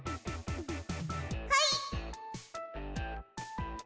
はい！